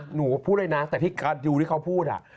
หนูพูดเลยนะแต่ที่ดูที่เขาพูด